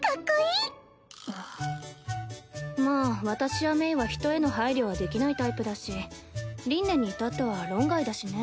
まあ私や鳴は人への配慮はできないタイプだし凛音にいたっては論外だしね。